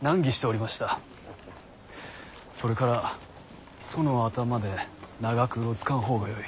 それからその頭で長くうろつかん方がよい。